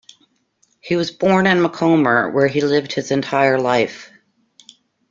He was born in Macomer where he lived his entire life.